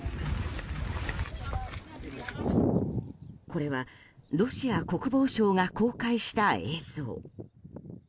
これはロシア国防省が公開した映像。